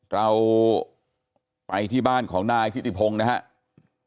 เราไปที่บ้านของนายทิติพงศ์นะครับ